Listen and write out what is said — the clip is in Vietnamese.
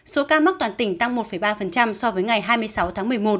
số ca mắc toàn tỉnh tăng một ba so với ngày hai mươi sáu tháng một mươi một